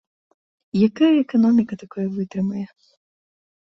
Якая эканоміка такое вытрымае?!